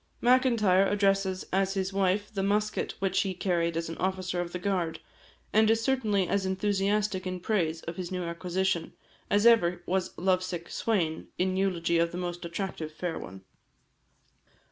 Macintyre addresses as his wife the musket which he carried as an officer of the guard; and is certainly as enthusiastic in praise of his new acquisition, as ever was love sick swain in eulogy of the most attractive fair one.